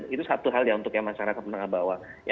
itu satu hal ya untuk yang masyarakat menanggap bahwa